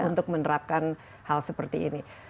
untuk menerapkan hal seperti ini